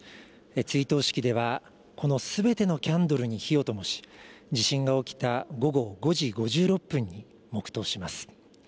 追悼式では、このすべてのキャンドルに火をともし、地震が起きた午後５時５６分に黙とうします。